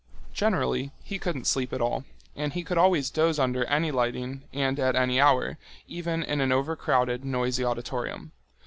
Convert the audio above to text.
Generally he couldn't sleep at all, and he could always doze under any lighting and at any hour, even in an overcrowded, noisy auditorium.